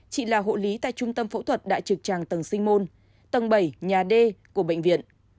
chị là hộ lý tại trung tâm phẫu thuật đại trực tràng tầng sinh môn tầng bảy nhà d của bệnh viện